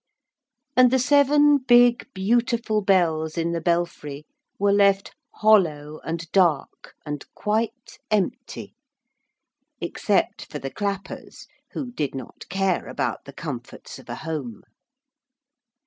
And the seven big beautiful bells in the belfry were left hollow and dark and quite empty, except for the clappers who did not care about the comforts of a home.